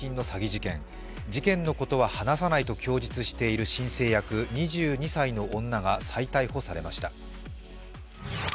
事件のことは話さないと供述している申請役、２２歳の女が再逮捕されました。